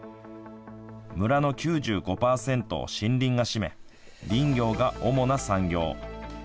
村の９５パーセントを森林が占め林業が主な産業。